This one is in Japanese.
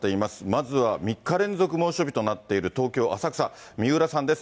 まずは３日連続猛暑日となっている東京・浅草、三浦さんです。